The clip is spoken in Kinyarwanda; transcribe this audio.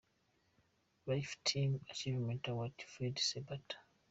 Life Time Achievement Award Fred Sebatta.